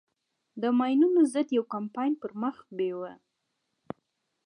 د ماينونو ضد يو کمپاين پر مخ بېوه.